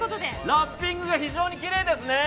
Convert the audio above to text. ラッピングが非常にきれいですね。